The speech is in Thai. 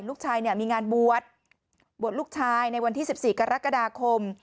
ลูกชายเนี่ยมีงานบวชบวชลูกชายในวันที่๑๔กรกฎาคม